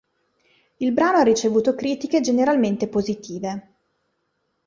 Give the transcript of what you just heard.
Il brano ha ricevuto critiche generalmente positive.